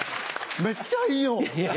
めっちゃいいよ。